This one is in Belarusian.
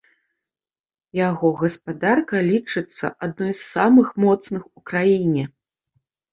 Яго гаспадарка лічыцца адной з самых моцных у краіне.